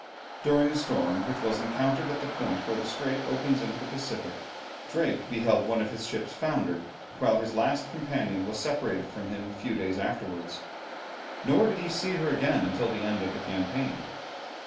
During a storm which was encountered at the point where the strait opens into the Pacific, Drake beheld one of his ships founder, while his last companion was separated from him a few days afterwards, nor did he see her again until the end of the campaign.